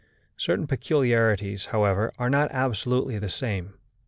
Certain peculiarities, however, are not absolutely the same.